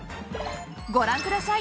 ご覧ください！